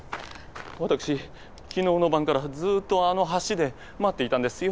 私昨日の晩からずっとあの橋で待っていたんですよ。